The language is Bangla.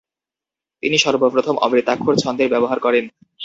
তিনি সর্বপ্রথম অমিত্রাক্ষর ছন্দের ব্যবহার করেন।